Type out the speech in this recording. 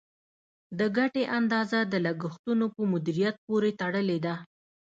د ګټې اندازه د لګښتونو په مدیریت پورې تړلې ده.